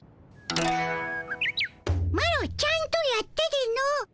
マロちゃんとやったでの。